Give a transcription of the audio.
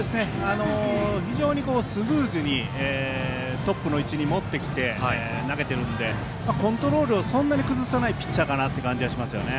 非常にスムーズにトップの位置に持ってきて投げているのでコントロールをそんなに崩さないピッチャーかなという感じはしますね。